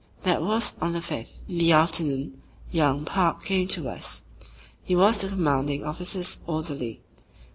That was on the fifth. In the afternoon young Park came to us. He was the Commanding Officer's orderly.